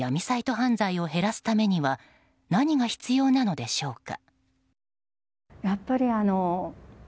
犯罪を減らすためには何が必要なのでしょうか。